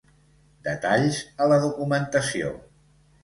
Detalls a la documentació.